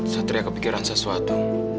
satria kepikiran sesuatu